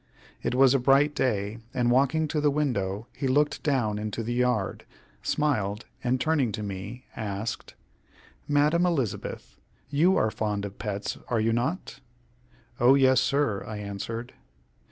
It was a bright day, and walking to the window, he looked down into the yard, smiled, and, turning to me, asked: "Madam Elizabeth, you are fond of pets, are you not?" "O yes, sir," I answered.